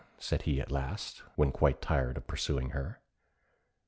said he at last, when quite tired of pursuing her.